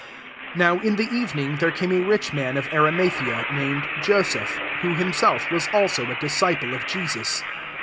5r NOW in the evening, there came a rich man of Arimathea, named Joseph, who himself was also a disciple of Jesus.